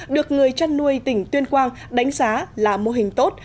được người chăn nuôi tỉnh tuyên quang đánh giá là mô hình tốt